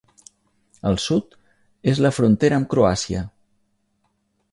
El sud és la frontera amb Croàcia.